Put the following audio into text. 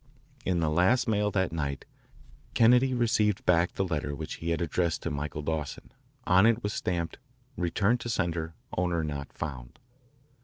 In the last mail that night Kennedy received back the letter which he had addressed to Michael Dawson. On it was stamped "Returned to sender. Owner not found."